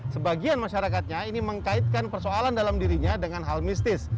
sebagian masyarakatnya ini mengkaitkan persoalan dalam dirinya dengan hal mistis